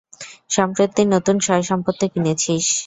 সম্প্রতি নতুন সয়সম্পত্তি কিনেছিস!